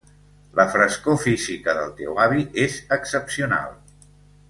La frescor física del teu avi és excepcional.